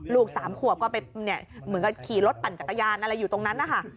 ๓ขวบก็ไปเหมือนกับขี่รถปั่นจักรยานอะไรอยู่ตรงนั้นนะคะ